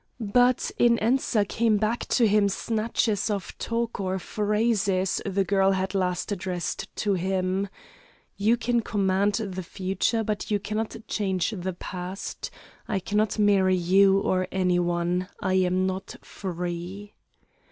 But in answer came back to him snatches of talk or phrases the girl had last addressed to him: "You can command the future, but you cannot change the past. I cannot marry you, or any one! I am not free!"